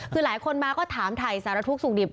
คือหลายคนมาก็ถามถ่ายสารทุกข์สุขดิบ